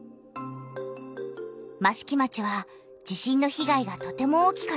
益城町は地震の被害がとても大きかった町なんだ。